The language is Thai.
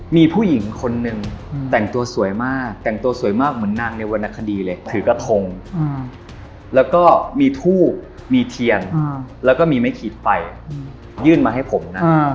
มีผู้หญิงคนนึงแต่งตัวสวยมากแต่งตัวสวยมากเหมือนนางในวรรณคดีเลยถือกระทงแล้วก็มีทูบมีเทียนแล้วก็มีไม้ขีดไฟยื่นมาให้ผมนะ